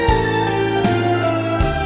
aku tak ingat